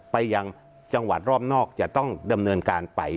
ไปยังจังหวัดรอบนอกจะต้องดำเนินการไป